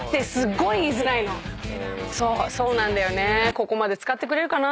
ここまで使ってくれるかな？